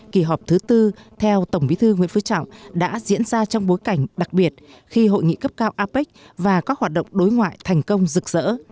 kỳ họp thứ tư theo tổng bí thư nguyễn phú trọng đã diễn ra trong bối cảnh đặc biệt khi hội nghị cấp cao apec và các hoạt động đối ngoại thành công rực rỡ